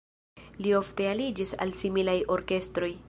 Li ofte aliĝis al similaj orkestroj.